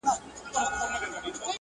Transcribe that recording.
ه زړه مي په سينه كي ساته.